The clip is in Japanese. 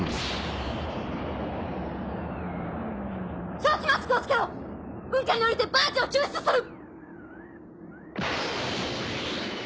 瘴気マスクをつけろ雲下に降りてバージを救出する！